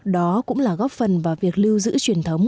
đó cũng là góp phần vào việc lưu giữ truyền thống